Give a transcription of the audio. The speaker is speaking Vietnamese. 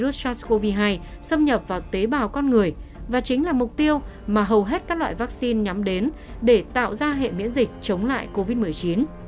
virus sars cov hai xâm nhập vào tế bào con người và chính là mục tiêu mà hầu hết các loại vaccine nhắm đến để tạo ra hệ miễn dịch chống lại covid một mươi chín